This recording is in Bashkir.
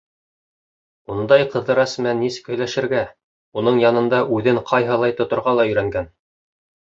Ундай Ҡыҙырас менән нисек һөйләшергә, уның янында үҙен ҡайһылай тоторға ла өйрәнгән.